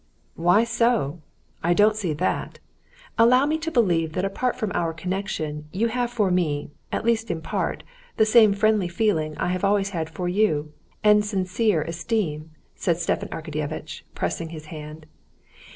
"Why so? I don't see that. Allow me to believe that apart from our connection you have for me, at least in part, the same friendly feeling I have always had for you ... and sincere esteem," said Stepan Arkadyevitch, pressing his hand.